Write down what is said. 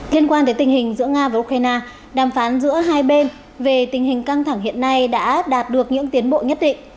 liên quan tới tình hình giữa nga và ukraine đàm phán giữa hai bên về tình hình căng thẳng hiện nay đã đạt được những tiến bộ nhất định